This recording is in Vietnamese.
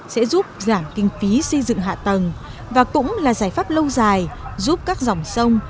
sẽ giúp giảm kinh phí xây dựng hạ tầng và cũng là giải pháp lâu dài giúp các dòng sông